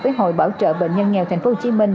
với hội bảo trợ bệnh nhân nghèo tp hcm